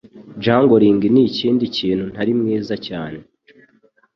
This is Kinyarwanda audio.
Juggling nikindi kintu ntari mwiza cyane.